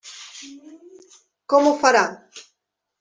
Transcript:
Com ho farà?